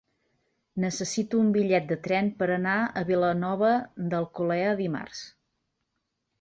Necessito un bitllet de tren per anar a Vilanova d'Alcolea dimarts.